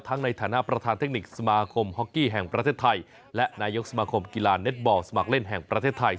ในฐานะประธานเทคนิคสมาคมฮอกกี้แห่งประเทศไทยและนายกสมาคมกีฬาเน็ตบอลสมัครเล่นแห่งประเทศไทย